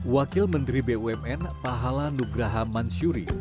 wakil menteri bumn pahala nugraha mansuri